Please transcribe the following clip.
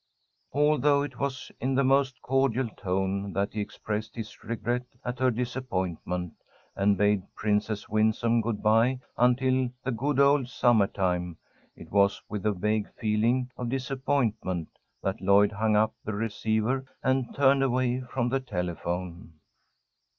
Although it was in the most cordial tone that he expressed his regret at her disappointment, and bade Princess Winsome good bye until the "good old summer time," it was with a vague feeling of disappointment that Lloyd hung up the receiver and turned away from the telephone.